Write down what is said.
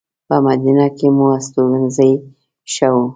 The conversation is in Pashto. په مدینه کې مو استوګنځی ښه و.